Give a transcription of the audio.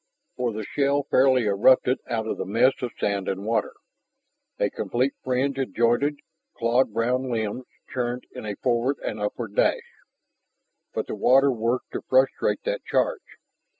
For the shell fairly erupted out of the mess of sand and water. A complete fringe of jointed, clawed brown limbs churned in a forward and upward dash. But the water worked to frustrate that charge.